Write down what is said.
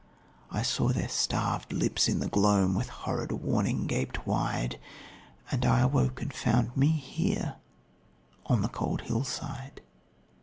"I saw their starv'd lips in the gloam With horrid warning gaped wide, And I awoke and found me here, On the cold hill's side."